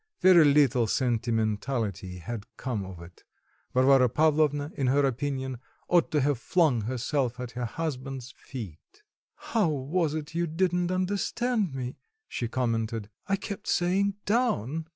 Very little sentimentality had come of it; Varvara Pavlovna, in her opinion, ought to have flung herself at her husband's feet. "How was it you didn't understand me?" she commented: "I kept saying 'down.